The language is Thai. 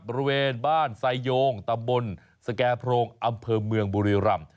บริเวณบ้านไซโยงตำบลสแก่โพรงอำเภอเมืองบุรีรำ